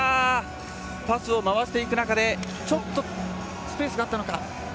パスを回していく中でちょっと、スペースがあったのか。